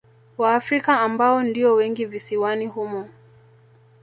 Waafrika ambao ndio wengi visiwani humo